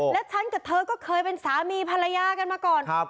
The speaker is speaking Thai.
และฉันกับเธอก็เคยเป็นสามีภรรยากันมาก่อน